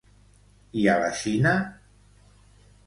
I a la Xina?